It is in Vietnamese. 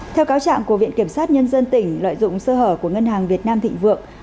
theo cáo trạng của viện kiểm sát nhân dân tỉnh lợi dụng sơ hở của ngân hàng việt nam thịnh vượng